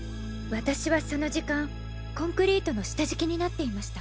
私はその時間コンクリートの下敷きになっていました。